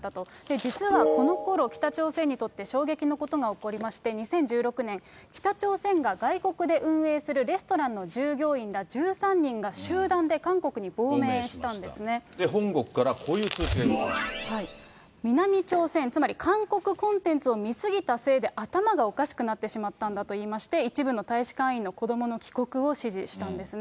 実は、このころ、北朝鮮にとって衝撃のことが起こりまして、２０１６年、北朝鮮が外国で運営するレストランの従業員ら１３人が、本国からこういう通知が来ま南朝鮮、つまり、韓国コンテンツを見過ぎたせいで、頭がおかしくなってしまったんだと言いまして、一部の大使館員の子どもの帰国を指示したんですね。